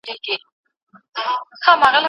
ايا انلاين کورسونه د موادو پراخ لاسرسی برابروي؟